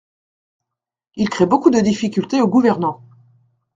Il crée beaucoup de difficultés aux gouvernants.